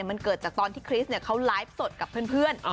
มันเกิดจากตอนที่คริสเขาไลฟ์สดกับเพื่อน